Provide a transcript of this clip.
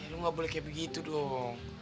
lu nggak boleh kayak begitu dong